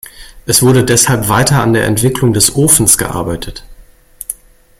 Es wurde deshalb weiter an der Entwicklung des Ofens gearbeitet.